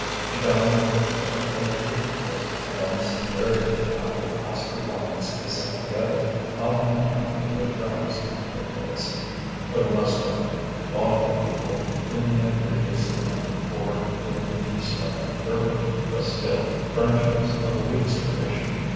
She dined with Quard quite frequently, and almost invariably after the last performance they supped together, often in company with friends of his for the most part vaudeville people whom he had previously known or with whom he struck up fervent, facile friendships of a week's duration.